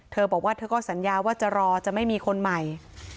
เธอบอกว่าเธอก็สัญญาว่าจะรอจะไม่มีคนใหม่